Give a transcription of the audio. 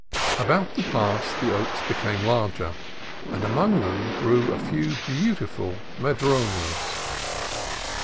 About the pass the oaks became larger, and among them grew a few beautiful ma dronos.